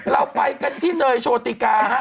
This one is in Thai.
เราไปกันที่เนยโชติกาฮะ